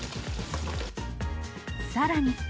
さらに。